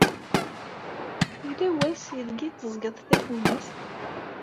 Yella wass ideg d-teẓẓgeḍ tafunast?